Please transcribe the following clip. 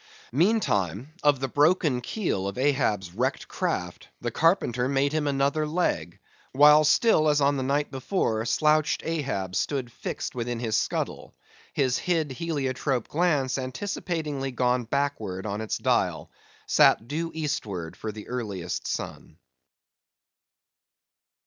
Meantime, of the broken keel of Ahab's wrecked craft the carpenter made him another leg; while still as on the night before, slouched Ahab stood fixed within his scuttle; his hid, heliotrope glance anticipatingly gone backward on its dial; sat due eastward for the earliest sun.